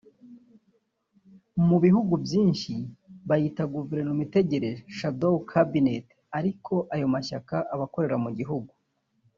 Mu bihugu byinshi babyita guverinoma itegereje (Shadow Cabinet) ariko ayo mashyaka aba akorera mu gihugu